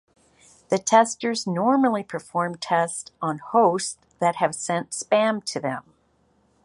The testers normally perform tests on hosts that have sent spam to them.